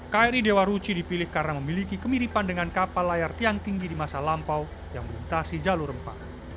kri dewa ruci dipilih karena memiliki kemiripan dengan kapal layar tiang tinggi di masa lampau yang melintasi jalur rempah